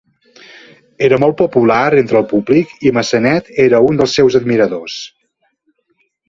Era molt popular entre el públic i Massenet era un dels seus admiradors.